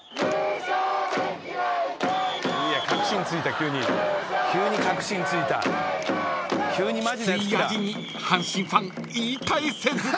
［きついヤジに阪神ファン言い返せず］